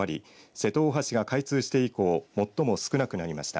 瀬戸大橋が開通して以降最も少なくなりました。